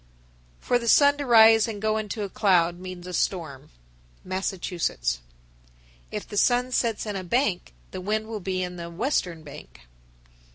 For the sun to rise and go into a cloud means a storm. Massachusetts. 1075. If the sun sets in a bank, the wind will be in the "western bank."